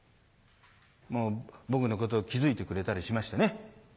もう僕のことを気付いてくれたりしましてね。